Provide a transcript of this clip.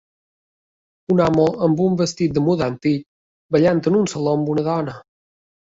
Un home amb un vestit de mudar antic ballant en un saló amb una dona.